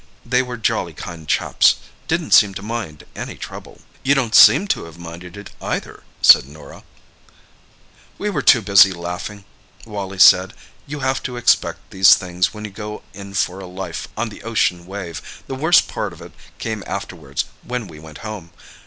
They were jolly kind chaps—didn't seem to mind any trouble." "You don't seem to have minded it, either," said Norah. "We were too busy laughing," Wally said. "You have to expect these things when you go in for a life on the ocean wave. The worst part of it came afterwards, when we went home.